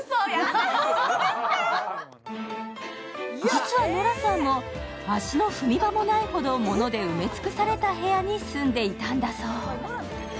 実はノラさんも、も足の踏み場もないほど物で埋め尽くされた部屋に住んでいたんだそう。